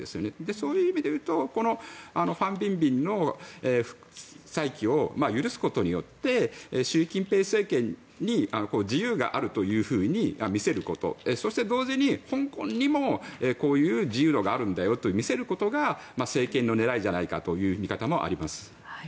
そういう意味で言うとファン・ビンビンの再起を許すことによって習近平政権に自由があると見せることそして、同時に香港にもこういう自由度があるんだよと見せることが政権の狙いじゃないかという見方もあります。